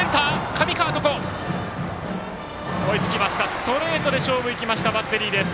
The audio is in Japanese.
ストレートで勝負いきましたバッテリーです。